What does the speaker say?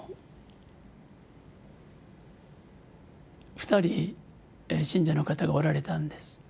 ２人信者の方がおられたんです。